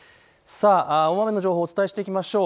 大雨の情報をお伝えしていきましょう。